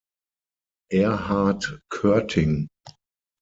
Erhart Körting